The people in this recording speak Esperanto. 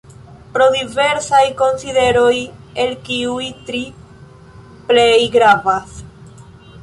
Pro diversaj konsideroj, el kiuj tri plej gravas.